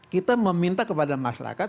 kita meminta kepada masyarakat